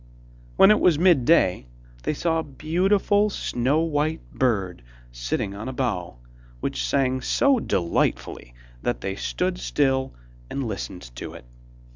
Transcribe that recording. When it was mid day, they saw a beautiful snow white bird sitting on a bough, which sang so delightfully that they stood still and listened to it.